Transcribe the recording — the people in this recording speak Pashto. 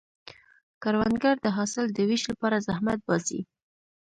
کروندګر د حاصل د ویش لپاره زحمت باسي